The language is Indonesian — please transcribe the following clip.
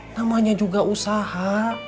namanya juga usaha